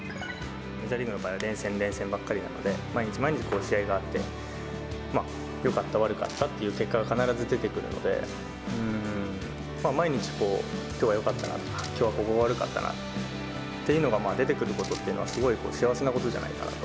メジャーリーグの場合は、連戦連戦ばっかりなので、毎日毎日試合があって、よかった、悪かったっていう結果が必ず出てくるので、毎日、きょうはよかったな、きょうはここが悪かったなっていうのが出てくることっていうのは、すごい幸せなことじゃないかなと。